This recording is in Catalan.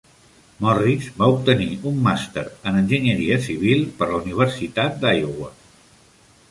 Morris va obtenir un màster en enginyeria civil per la Universitat d'Iowa.